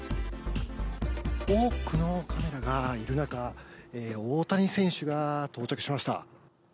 多くのカメラがいる中、大谷選手が到着しました。